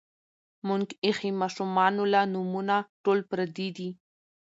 مونږ ایخي مـاشومـانو لـه نومـونه ټول پردي دي